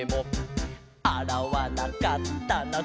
「あらわなかったな